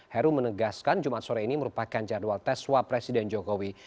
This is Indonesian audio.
heru menegaskan jumat sore ini merupakan jadwal tes swab presiden jokowi